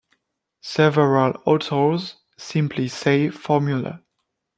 Several authors simply say formula.